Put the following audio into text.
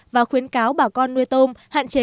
và khuyến cáo bà con nuôi tôm hạn chế